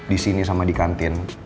disini sama di kantin